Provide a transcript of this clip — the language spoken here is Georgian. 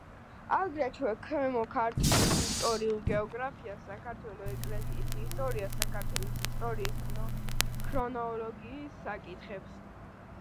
აგრეთვე ქვემო ქართლის ისტორიულ გეოგრაფიას, საქართველოს ეკლესიის ისტორიას, საქართველოს ისტორიის ქრონოლოგიის საკითხებს.